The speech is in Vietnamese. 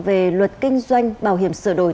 về luật kinh doanh bảo hiểm sửa đổi